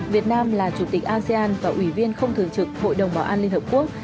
việt nam là chủ tịch asean và ủy viên không thường trực hội đồng bảo an liên hợp quốc